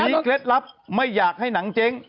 มีเคล็ดลับไม่อยากให้หนังเจ๊ง